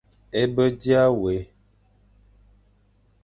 É be dia wé,